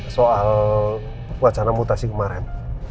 soal wacana mutasi kemarin